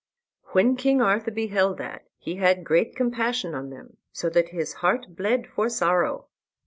When King Arthur beheld that, he had great compassion on them, so that his heart bled for sorrow.